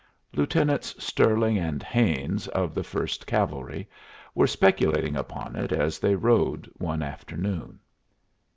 Lieutenants Stirling and Haines, of the First Cavalry, were speculating upon it as they rode one afternoon.